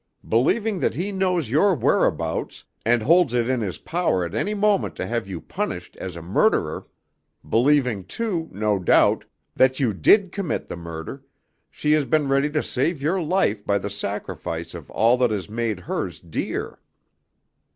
Believing that he knows your whereabouts, and holds it in his power at any moment to have you punished as a murderer believing, too, no doubt, that you did commit the murder, she has been ready to save your life by the sacrifice of all that has made hers dear."